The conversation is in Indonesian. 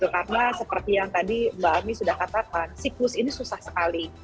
karena seperti yang tadi mbak ami sudah katakan siklus ini susah sekali